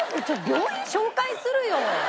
病院紹介するよ。